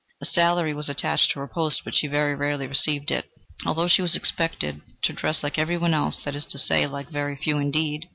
A salary was attached to the post, but she very rarely received it, although she was expected to dress like everybody else, that is to say, like very few indeed.